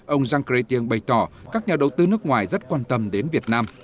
ông jean chrétien bày tỏ các nhà đầu tư nước ngoài rất quan tâm đến việt nam